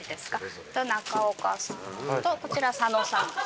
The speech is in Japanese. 中岡さまとこちら佐野さま。